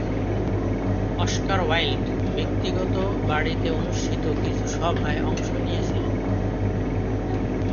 Oscar Wilde ব্যক্তিগত বাড়িতে অনুষ্ঠিত কিছু সভায় অংশ নিয়েছিলেন।